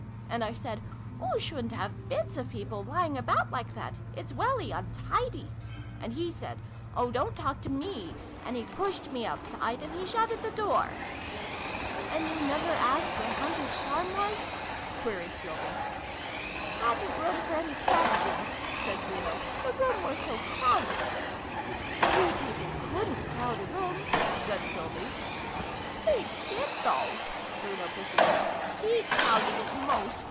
And I said ' Oo shouldn't have bits of peoples lying about like that! It's welly untidy !' And he said ' Oh, don't talk to me !' And he pushted me outside ! And he shutted the door !"" And you never asked where Hunter's farm was ?" queried Sylvie. " Hadn't room for any questions," said Bruno. " The room were so crowded." " Three people couldrit crowd a room," said Sylvie. "They did, though," Bruno persisted. "He crowded it most.